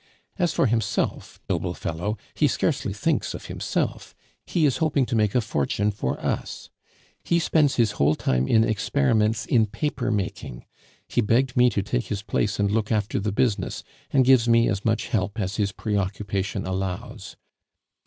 As for himself, noble fellow, he scarcely thinks of himself; he is hoping to make a fortune for us. He spends his whole time in experiments in paper making; he begged me to take his place and look after the business, and gives me as much help as his preoccupation allows.